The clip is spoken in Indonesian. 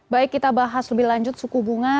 baik kita bahas lebih lanjut suku bunga